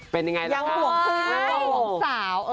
ยังห่วงขึ้นไม่ว่าห่วงสาว